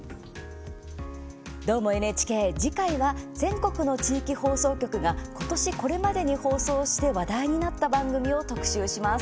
「どーも、ＮＨＫ」次回は全国の地域放送局が今年これまでに放送して話題になった番組を特集します。